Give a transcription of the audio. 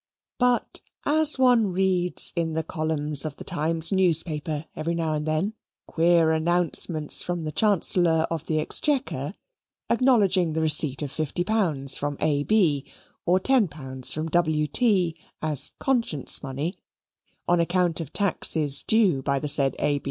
But, as one reads in the columns of the Times newspaper every now and then, queer announcements from the Chancellor of the Exchequer, acknowledging the receipt of 50 pounds from A. B., or 10 pounds from W. T., as conscience money, on account of taxes due by the said A.